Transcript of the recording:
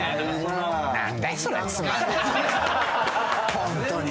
ホントに。